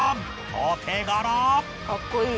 お手柄！